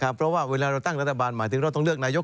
เพราะว่าเวลาเราตั้งรัฐบาลหมายถึงเราต้องเลือกนายก